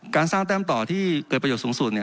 การสร้างแต้มต่อที่เกิดประโยชน์สูงสุด